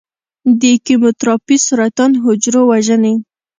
د کیموتراپي سرطان حجرو وژني.